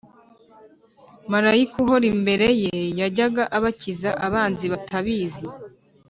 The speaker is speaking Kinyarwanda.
Malayika uhora imbere ye yajyaga abakiza abanzi batabizi